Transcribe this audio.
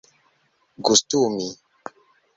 gustumi